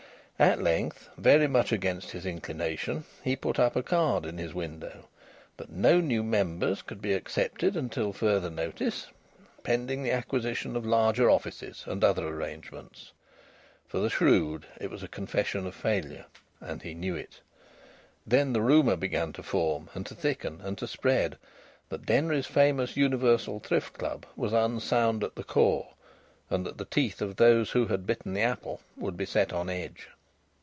At length, very much against his inclination, he put up a card in his window that no new members could be accepted until further notice, pending the acquisition of larger offices and other arrangements. For the shrewd, it was a confession of failure, and he knew it. Then the rumour began to form, and to thicken, and to spread, that Denry's famous Universal Thrift Club was unsound at the core, and that the teeth of those who had bitten the apple would be set on edge.